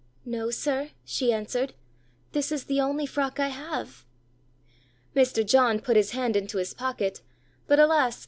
"No, sir," she answered; "this is the only frock I have." Mr. John put his hand into his pocket, but, alas!